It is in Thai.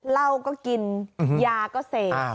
เหล้าก็กินยาก็เสพ